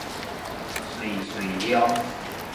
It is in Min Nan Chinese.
瑞穗鄉